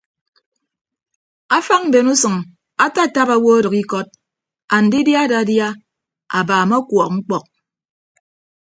Afañ mben usʌñ atatap owo ọdʌk ikọt andidia adadia abaam ọkuọk ñkpọk.